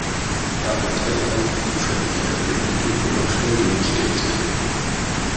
At the tail-end of the trip he appeared in two promotional games against Italy.